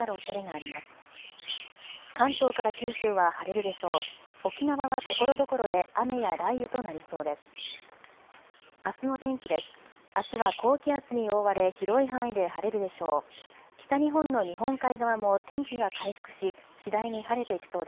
あすは高気圧に覆われ広い範囲で晴れるでしょう。